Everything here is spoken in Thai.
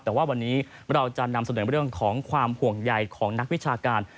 แต่ว่าวันนี้เราจะนำเสนอเรื่องของความห่วงใยของนักวิชาการ